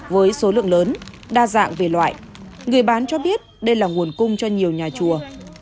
với số lượng lớn đa dạng về loại người bán cho biết đây là nguồn cung cho nhiều nhà chùa